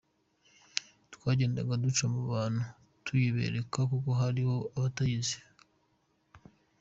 Twagendaga duca mu bantu tuyibereka kuko harimo n’abatayizi.